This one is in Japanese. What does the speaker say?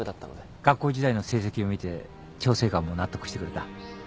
学校時代の成績を見て調整官も納得してくれた。